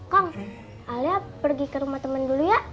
kang alia pergi ke rumah temen dulu ya